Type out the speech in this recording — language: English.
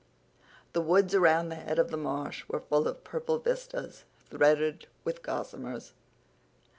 The woods around the head of the marsh were full of purple vistas, threaded with gossamers.